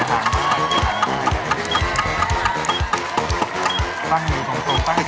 ตั้งอยู่ตรง